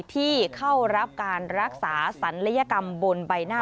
ที่เข้ารับการรักษาศัลยกรรมบนใบหน้า